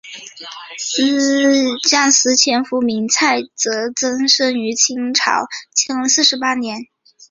蒋斯千父名蒋祈增生于清朝乾隆四十八年。